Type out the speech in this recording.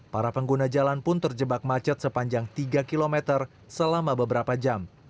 para pengguna jalan pun terjebak macet sepanjang tiga km selama beberapa jam